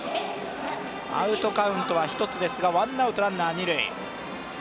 アウトカウントは１つですがワンアウトランナー、二塁。